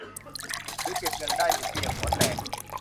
หรือเก็บเงินได้เป็นเบี้ยหัวแตก